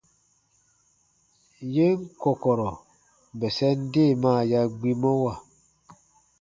Yen kɔ̀kɔ̀rɔ̀ bɛsɛn deemaa ya gbimɔwa.